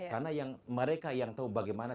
karena mereka yang tahu bagaimana